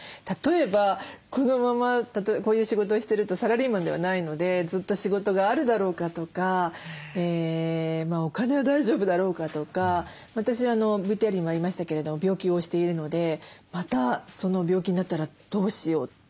例えばこのままこういう仕事をしてるとサラリーマンではないのでずっと仕事があるだろうかとかお金は大丈夫だろうかとか私ＶＴＲにもありましたけれども病気をしているのでまたその病気になったらどうしよう。